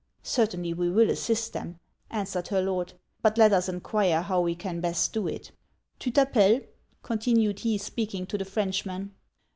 'Certainly we will assist them,' answered her Lord. 'But let us enquire how we can best do it. Tu t'appelles?' continued he, speaking to the Frenchman.